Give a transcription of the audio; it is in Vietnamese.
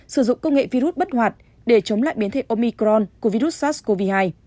sử dụng công nghệ virus bất hoạt để chống lại biến thể omicron của virus sars cov hai